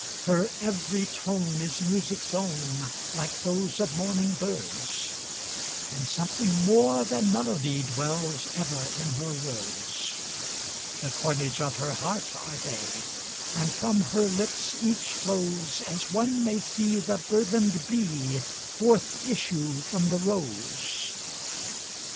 Her every tone is music's own, like those of morning birds, And something more than melody dwells ever in her words; The coinage of her heart are they, and from her lips each flowsAs one may see the burthened bee forth issue from the rose.